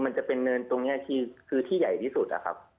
มันจะเป็นเนินตรงนี้คือที่ใหญ่ที่สุดนะครับ